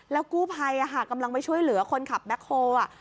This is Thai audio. กู้ภัยกำลังไปช่วยเหลือคนขับแบ็คโฮล